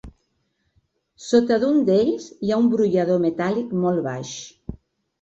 Sota d'un d'ells hi ha un brollador metàl·lic molt baix.